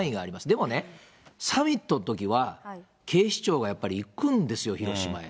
でもね、サミットのときは、警視庁がやっぱり行くんですよ、広島へ。